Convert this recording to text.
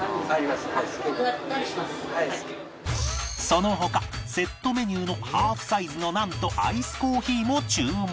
その他セットメニューのハーフサイズのナンとアイスコーヒーも注文